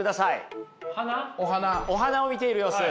お花を見ている様子。